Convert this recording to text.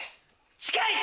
近い！